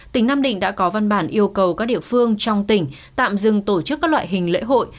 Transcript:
tỉnh nam định đã có văn bản yêu cầu các địa phương trong tỉnh tạm dừng tổ chức các loại hình lễ hội